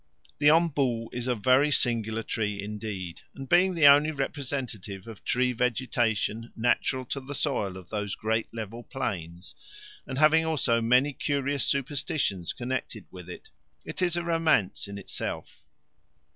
The ombu is a very singular tree indeed, and being the only representative of tree vegetation, natural to the soil, on those great level plains, and having also many curious superstitions connected with it, it is a romance in itself.